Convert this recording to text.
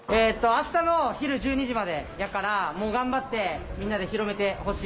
明日の昼１２時までやからもう頑張ってみんなで広めてほしいです。